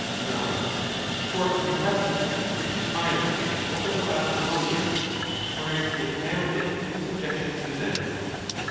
No; for he left his country triumphing over the Lacedzemonians, whereas he had found it in subjection to them.